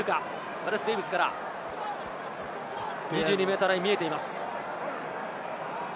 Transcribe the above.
ガレス・デーヴィスから２２ｍラインが見えています。